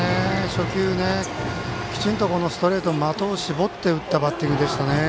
初球、きちんとストレートに的を絞って打ったバッティングでしたね。